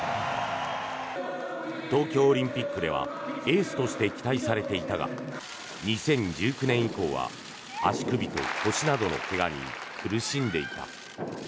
東京オリンピックではエースとして期待されていたが２０１９年以降は足首と腰などの怪我に苦しんでいた。